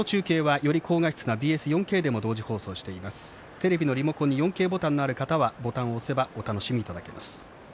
テレビのリモコンに４Ｋボタンがある方はボタンを押せば４Ｋ放送をお楽しみいただけます。